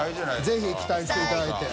是非期待していただいて。